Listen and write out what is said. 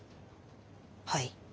はい。